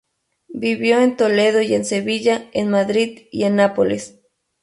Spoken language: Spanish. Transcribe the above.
Vivió en Toledo y en Sevilla, en Madrid y en Nápoles.